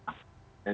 jadi semakin banyak